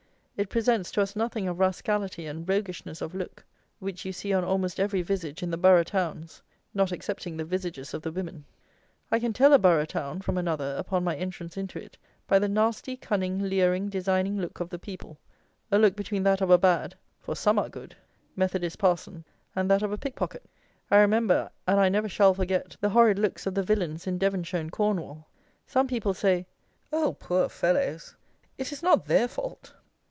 It presents to us nothing of rascality and roguishness of look which you see on almost every visage in the borough towns, not excepting the visages of the women. I can tell a borough town from another upon my entrance into it by the nasty, cunning, leering, designing look of the people; a look between that of a bad (for some are good) Methodist Parson and that of a pickpocket. I remember, and I never shall forget, the horrid looks of the villains in Devonshire and Cornwall. Some people say, "O, poor fellows! It is not their fault."